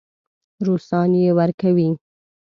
روسان یې ورکوي.